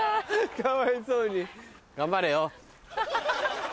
かわいそうに頑張れよ。